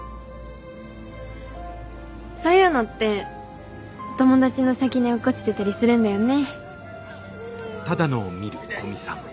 そういうのって友達の先に落っこちてたりするんだよね。